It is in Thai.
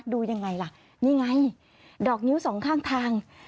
ดูยังไงล่ะนี่ไงดอกนิ้วสองข้างทาง